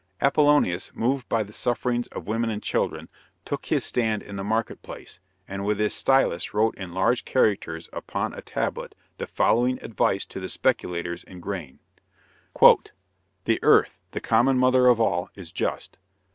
Apollonius moved by the sufferings of women and children, took his stand in the market place, and with his stylus wrote in large characters upon a tablet the following advice to the speculators in grain: "The earth, the common mother of all, is just.